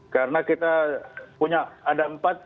karena kita punya ada empat